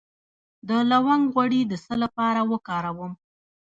د لونګ غوړي د څه لپاره وکاروم؟